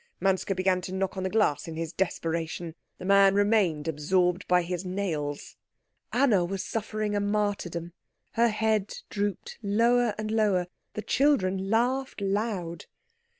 Manske began to knock on the glass in his desperation. The man remained absorbed by his nails. Anna was suffering a martyrdom. Her head drooped lower and lower. The children laughed loud.